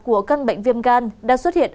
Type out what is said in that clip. của căn bệnh viêm gan đã xuất hiện